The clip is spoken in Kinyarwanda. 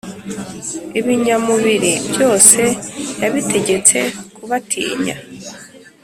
Ibinyamubiri byose yabitegetse kubatinya,